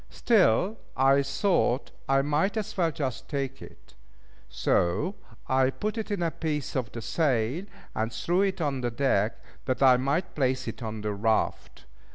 Still, I thought I might as well just take it; so I put it in a piece of the sail, and threw it on deck that I might place it on the raft.